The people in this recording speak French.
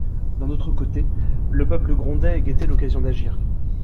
D'un autre côté, le peuple grondait et guettait l'occasion d'agir.